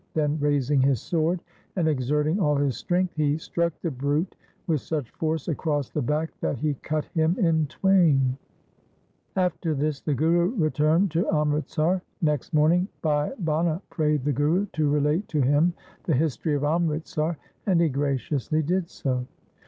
Then raising his sword and exerting all his strength, he struck the brute with such force across the back, that he cut him in twain. After this the Guru returned to Amritsar. Next LIFE OF GURU HAR GOBIND morning Bhai Bhana prayed the Guru to relate to him the history of Amritsar, and he graciously did so.